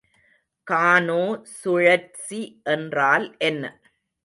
கானோ சுழற்சி என்றால் என்ன?